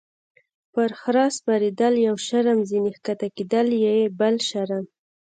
- پر خره سپرېدل یو شرم، ځینې کښته کېدل یې بل شرم.